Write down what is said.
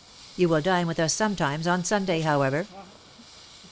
You will dine with us sometimes on Sunday, however?"